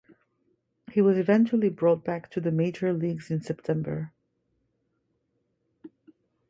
He was eventually brought back to the major leagues in September.